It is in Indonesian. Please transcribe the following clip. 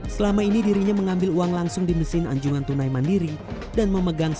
selain itu di mana juga dikasih pinnya di tulis di belakang